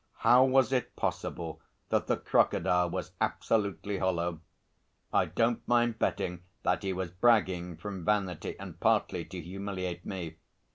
How was it possible that the crocodile was absolutely hollow? I don't mind betting that he was bragging from vanity and partly to humiliate me.